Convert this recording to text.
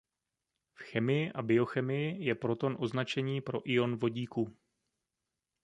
V chemii a biochemii je proton označení pro ion vodíku.